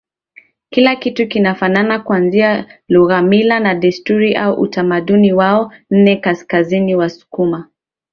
kila kitu kinafanana kuanzia lughamila na desturi na utamaduni wao Nne KaskaziniWasukuma